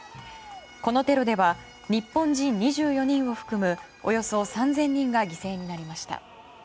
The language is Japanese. このテロでは日本人２４人を含むおよそ３０００人が犠牲になりました。